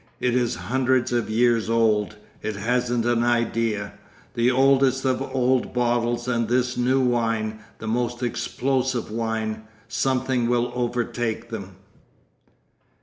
It is hundreds of years old. It hasn't an idea. The oldest of old bottles and this new wine, the most explosive wine. Something will overtake them.